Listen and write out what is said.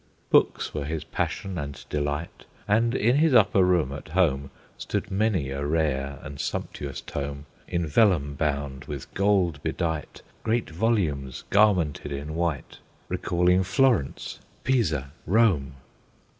Books were his passion and delight, And in his upper room at home Stood many a rare and sumptuous tome, In vellum bound, with gold bedight, Great volumes garmented in white, Recalling Florence, Pisa, Rome.